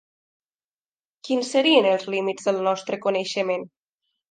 Quins serien els límits del nostre coneixement?